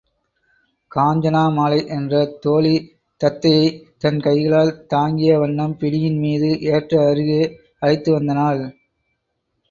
காஞ்சனமாலை என்ற தோழி தத்தையைத் தன் கைகளால் தாங்கிய வண்ணம் பிடியின் மீது ஏற்ற அருகே அழைத்து வந்தனள்.